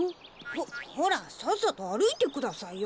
ほほらさっさとあるいてくださいよ。